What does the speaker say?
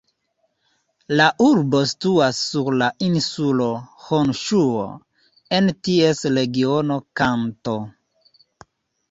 La urbo situas sur la insulo Honŝuo, en ties regiono Kanto.